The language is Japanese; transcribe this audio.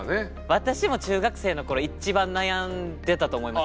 私も中学生の頃いちばん悩んでたと思います